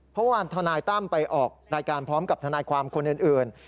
ทนายตั้มไปออกรายการพร้อมกับทนายความคนอื่น